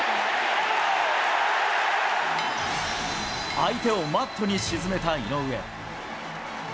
相手をマットに沈めた井上。